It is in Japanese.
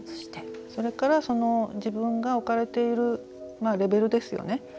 それから、自分が置かれているレベルですよね。